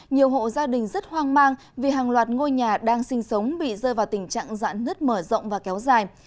nhiều hộ gia đình rất hoang mang vì hàng loạt ngôi nhà đang sinh sống bị rơi vào tình trạng giận nứt mở rộng và kéo dài